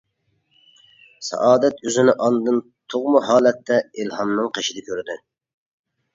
سائادەت ئۆزىنى ئانىدىن تۇغما ھالەتتە ئىلھامنىڭ قېشىدا كۆردى.